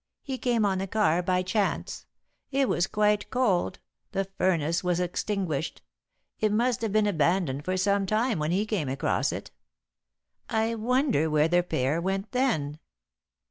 He came on the car by chance. It was quite cold the furnace was extinguished. It must have been abandoned for some time when he came across it. I wonder where the pair went then."